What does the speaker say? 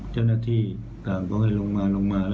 เจ้าหน้าที่ก็ก็ลงมา